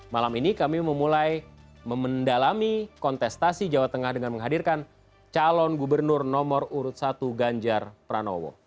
malam ini kami memulai memendalami kontestasi jawa tengah dengan menghadirkan calon gubernur nomor urut satu ganjar pranowo